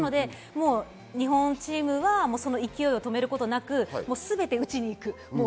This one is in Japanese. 日本チームは勢いを止めることなく、すべて打ちに行く。